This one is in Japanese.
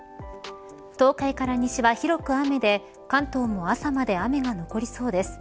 東海から西は広く雨で関東も朝まで雨が残りそうです。